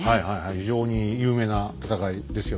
非常に有名な戦いですよね。